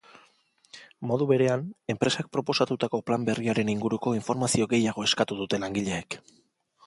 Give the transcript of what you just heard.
Modu berean, enpresak proposatutako plan berriaren inguruko informazio gehiago eskatu dute langileek.